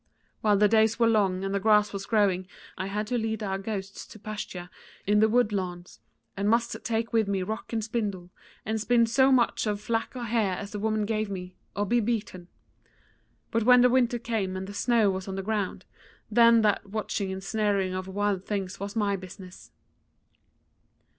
While the days were long and the grass was growing, I had to lead our goats to pasture in the wood lawns, and must take with me rock and spindle, and spin so much of flax or hair as the woman gave me, or be beaten. But when the winter came and the snow was on the ground, then that watching and snaring of wild things was my business.